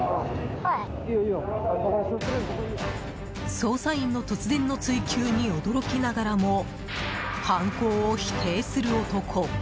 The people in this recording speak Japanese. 捜査員の突然の追及に驚きながらも犯行を否定する男。